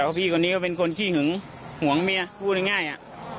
พี่คนนี้ก็เป็นคนขี้หึงห่วงเมียพูดง่ายอ่ะ